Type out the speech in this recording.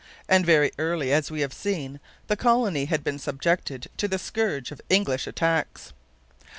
And very early, as we have seen, the colony had been subjected to the scourge of English attacks.